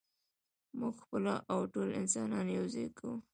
موږ خپله او ټول انسانان یو ځای کوو.